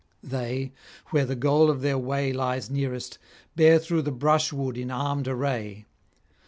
They, where the goal of their way lies nearest, bear through the brushwood in armed array.